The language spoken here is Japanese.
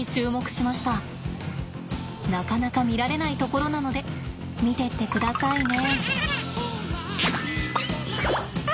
なかなか見られないところなので見てってくださいね。